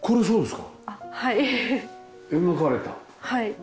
はい。